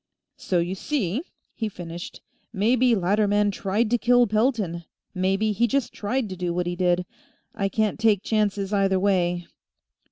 "So you see," he finished. "Maybe Latterman tried to kill Pelton, maybe he just tried to do what he did. I can't take chances either way."